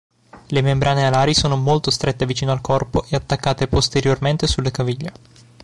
Le membrane alari sono molto strette vicino al corpo e attaccate posteriormente sulle caviglie.